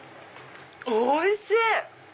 おいしい！